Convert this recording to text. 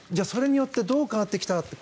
それによってどう変わってきたか。